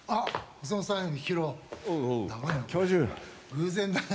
偶然だね。